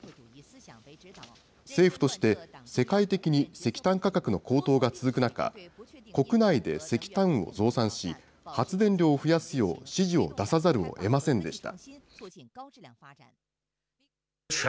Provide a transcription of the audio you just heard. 政府として、世界的に石炭価格の高騰が続く中、国内で石炭を増産し、発電量を増やすよう指示を出さざるをえませんでした。